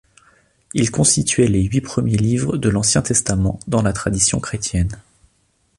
Ils constituaient les huit premiers livres de l'Ancien Testament dans la tradition chrétienne.